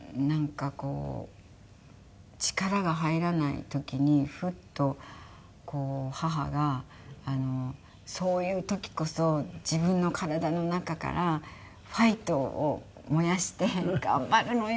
力が入らない時にフッと母が「そういう時こそ自分の体の中からファイトを燃やして頑張るのよ！」